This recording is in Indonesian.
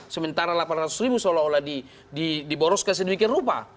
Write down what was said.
sementara delapan ratus ribu seolah olah di boroskan sedikit rupa